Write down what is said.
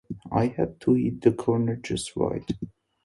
I had to hit the corner just right.